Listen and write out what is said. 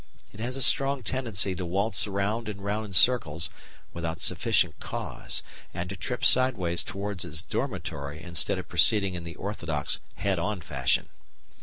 It has a strong tendency to waltz round and round in circles without sufficient cause and to trip sideways towards its dormitory instead of proceeding in the orthodox head on fashion.